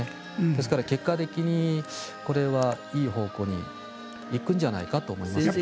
ですから、結果的にこれはいい方向に行くんじゃないかと思います。